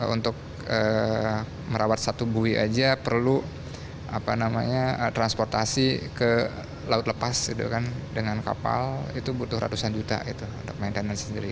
untuk merawat satu bui aja perlu transportasi ke laut lepas dengan kapal itu butuh ratusan juta untuk maintenance sendiri